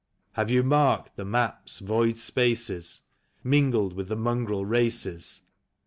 Have you marked the map's void spaces, mingled with the mongrel races.